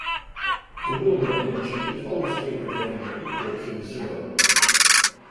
The Willmore energy is always greater than or equal to zero.